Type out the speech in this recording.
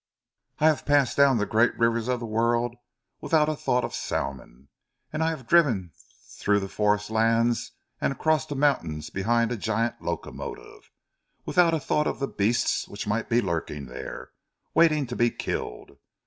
"I have passed down the great rivers of the world without a thought of salmon, and I have driven through the forest lands and across the mountains behind a giant locomotive, without a thought of the beasts which might be lurking there, waiting to be killed.